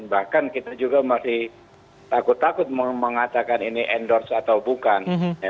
bahkan kita juga masih takut takut mengatakan ini endorse atau bukan